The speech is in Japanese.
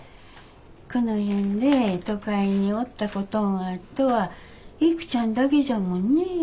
この辺で都会におったことんあっとは育ちゃんだけじゃもんね。